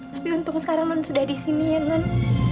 tapi untung sekarang nont sudah di sini ya nont